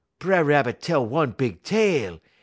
B'er Rabbit tell one big tale.